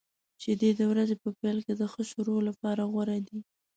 شیدې د ورځې په پیل کې د ښه شروع لپاره غوره دي.